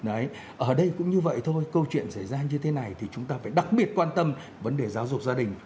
đấy ở đây cũng như vậy thôi câu chuyện xảy ra như thế này thì chúng ta phải đặc biệt quan tâm vấn đề giáo dục gia đình